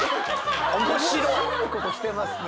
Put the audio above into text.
面白いことしてますね。